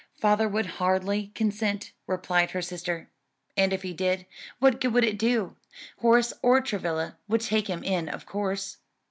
"Father would hardly consent," replied her sister, "and if he did, what good would it do? Horace or Travilla would take him in of course."